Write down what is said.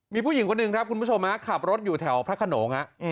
มีผู้หญิงคนหนึ่งครับคุณผู้ชมขับรถอยู่แถวพระขนง